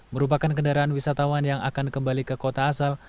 merupakan kendaraan wisatawan yang akan kembali ke kota asal